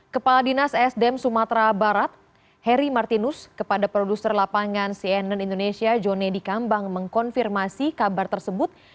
kepala dinas sdm sumatera barat heri martinus kepada produser lapangan cnn indonesia jone di kambang mengkonfirmasi kabar tersebut